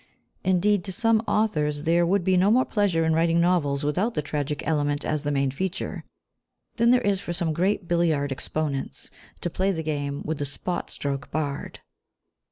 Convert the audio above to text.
Indeed, to some authors, there would be no more pleasure in writing novels, without the tragic element as the main feature, than there is for some great billiard exponents to play the game with the spot stroke barred.